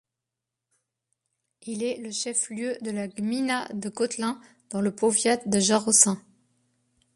Il est le chef-lieu de la gmina de Kotlin, dans le powiat de Jarocin.